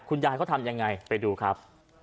คุณยายเขาทำยังไงไปดูครับ